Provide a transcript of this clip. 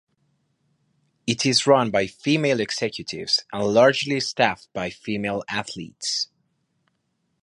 It is run by female executives and largely staffed by female athletes.